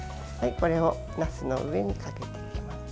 これをなすの上にかけていきます。